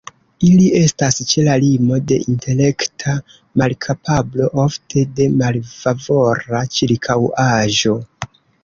Ili estas ĉe la limo de intelekta malkapablo, ofte de malfavora ĉirkaŭaĵo.